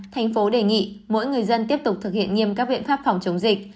thành phố đề nghị mỗi người dân tiếp tục thực hiện nghiêm các biện pháp phòng chống dịch